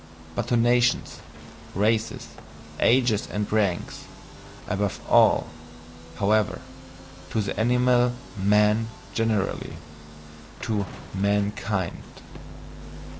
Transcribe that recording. but to nations, races, ages, and ranks; above all, however, to the animal "man" generally, to MANKIND.